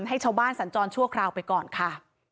ให้ชาวบ้านสัญจรชั่วคราวไปก่อนค่ะ